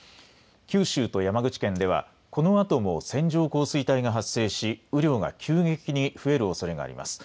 九州と山口県ではこのあとも線状降水帯が発生し雨量が急激に増えるおそれがあります。